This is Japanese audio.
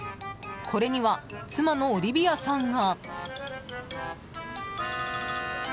これには妻のオリビアさんが。